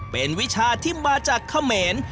เป็นวิชาที่มาจากเขมร